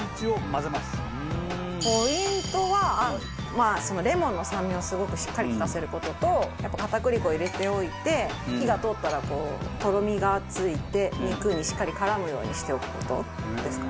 ポイントはまあレモンの酸味をすごくしっかり利かせる事と片栗粉を入れておいて火が通ったらとろみがついて肉にしっかり絡むようにしておく事ですかね。